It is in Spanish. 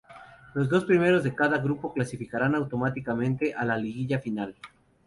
Los dos primeros de cada grupo clasificarán automáticamente a la Liguilla Final.